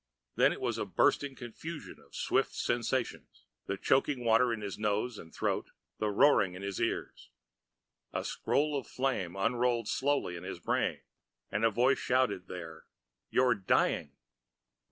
Then it was a bursting confusion of swift sensations, the choking water in his nose and throat, the roaring in his ears. A scroll of flame unrolled slowly in his brain and a voice shouted there, "You're dying!"